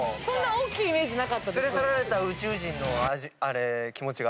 大きいイメージなかった。